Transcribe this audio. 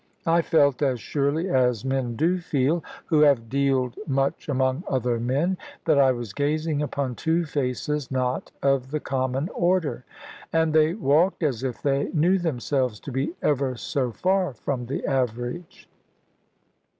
I felt as surely as men do feel, who have dealed much among other men, that I was gazing upon two faces not of the common order. And they walked as if they knew themselves to be ever so far from the average.